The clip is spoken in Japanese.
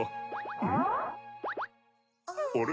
あれ？